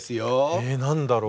え何だろう？